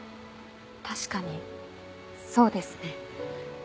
確かにそうですね。